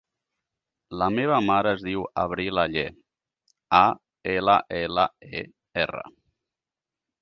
La meva mare es diu Avril Aller: a, ela, ela, e, erra.